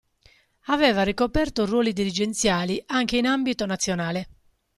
Aveva ricoperto ruoli dirigenziali anche in ambito nazionale.